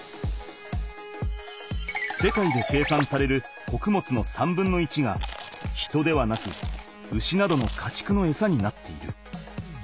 世界で生産されるこくもつの３分の１が人ではなく牛などのかちくのエサになっている。